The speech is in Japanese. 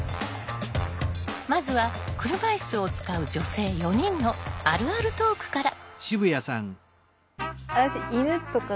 まずは車いすを使う女性４人の「あるあるトーク」から。